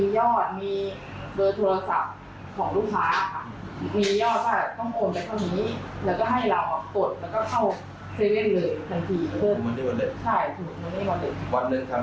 ยอดเยอะไหม